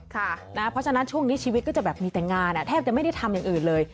เพราะฉะนั้นช่วงนี้ชีวิตก็จะแบบมีแต่งานแทบจะไม่ได้ทำอย่างอื่นเลย